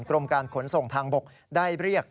กรมการขนส่งทางบกได้เรียก